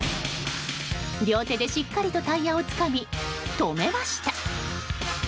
両手でしっかりとタイヤをつかみ止めました。